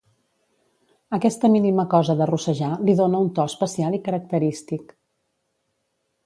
Aquesta mínima cosa de rossejar li dóna un to especial i característic